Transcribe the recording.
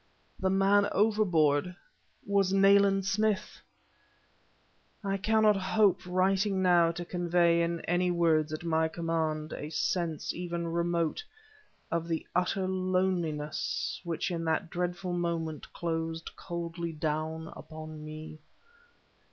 The man overboard was Nayland Smith! I cannot hope, writing now, to convey in any words at my command, a sense, even remote, of the utter loneliness which in that dreadful moment closed coldly down upon me.